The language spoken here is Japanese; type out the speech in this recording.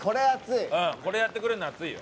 これやってくれるの熱いよ。